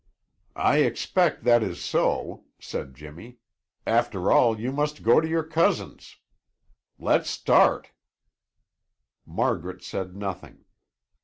"I expect that is so," said Jimmy. "After all, you must go to your cousin's. Let's start!" Margaret said nothing.